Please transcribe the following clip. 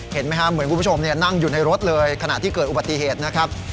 เห็นไหมครับเหมือนคุณผู้ชมนั่งอยู่ในรถเลยขณะที่เกิดอุบัติเหตุนะครับ